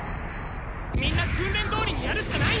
みんな訓練どおりにやるしかないんだ。